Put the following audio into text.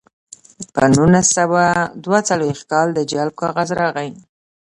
په نولس سوه دوه څلویښت کال د جلب کاغذ راغی